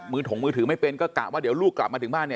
มือถงมือถือไม่เป็นก็กลับว่าเดี๋ยวลูกกลับมาถึงบ้าน